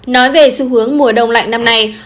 nói về xu hướng mùa đông lạnh năm nay